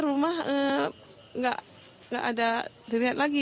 dia rumah nggak ada terlihat lagi